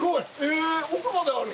え奥まである。